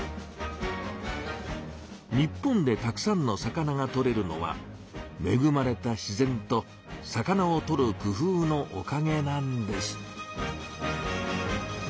日本でたくさんの魚がとれるのはめぐまれた自然と魚をとる工夫のおかげなんです。